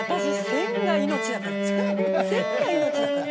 線が命だからまだ」